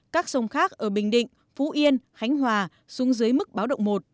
các sông khác ở bình định phú yên khánh hòa xuống dưới mức báo động một